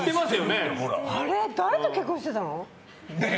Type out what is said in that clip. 誰と結婚してたの？